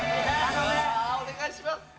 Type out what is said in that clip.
ああお願いします！